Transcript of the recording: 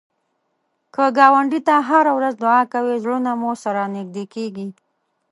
که ګاونډي ته هره ورځ دعا کوې، زړونه مو سره نږدې کېږي